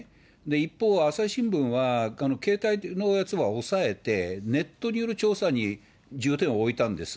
一方、朝日新聞は携帯のやつは抑えて、ネットによる調査に重点を置いたんです。